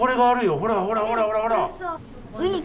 ほらほらほらほらほら！